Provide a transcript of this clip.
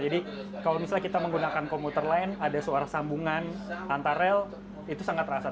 jadi kalau misalnya kita menggunakan komputer lain ada suara sambungan antar rel itu sangat terasa